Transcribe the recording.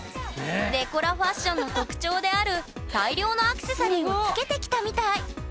デコラファッションの特徴である大量のアクセサリーをつけてきたみたい。